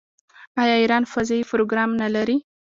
آیا ایران فضايي پروګرام نلري؟